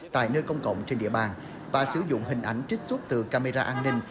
tại nơi công cộng trên địa bàn và sử dụng hình ảnh trích xuất từ camera an ninh